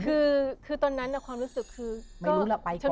คือตอนนั้นหรอความรู้สึกคือ